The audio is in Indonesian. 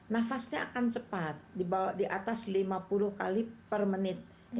nafasnya akan cepat di atas lima puluh kali per menit